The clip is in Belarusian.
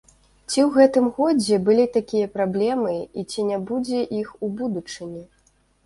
Ці ў гэтым годзе былі такія праблемы і ці не будзе іх у будучыні?